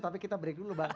tapi kita break dulu bang